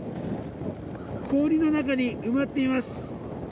氷の中に埋まっています。